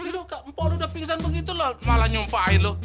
hidup kak empok lo udah pingsan begitu loh malah nyumpahin lo